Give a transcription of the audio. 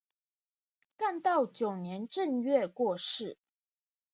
干道九年正月过世。